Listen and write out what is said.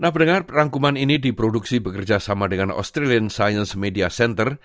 nah berdengar rangkuman ini diproduksi bekerja sama dengan australian science media centre